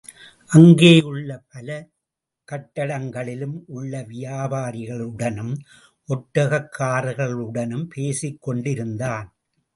அங்கேயுள்ள பல கட்டடங்களிலும் உள்ள வியாபாரிகளுடனும், ஒட்டகக்காரர்களுடனும் பேசிக் கொண்டிருந்தான்.